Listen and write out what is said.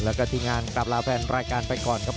แล้วก็ทีมงานกลับลาแฟนรายการไปก่อนครับ